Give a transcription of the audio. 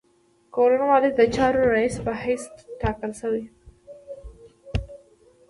کورن والیس د چارو رییس په حیث تاکل شوی.